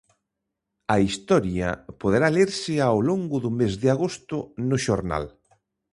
A historia poderá lerse ao longo do mes de agosto no xornal.